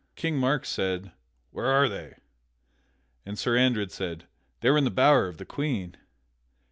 King Mark said, "Where are they?" And Sir Andred said, "They are in the bower of the Queen."